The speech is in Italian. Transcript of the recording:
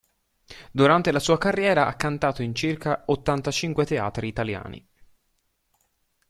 Durante la sua carriera ha cantato in circa ottantacinque teatri italiani.